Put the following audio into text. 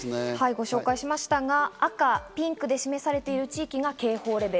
ご紹介しましたが赤、ピンクで示されている地域が警報レベル。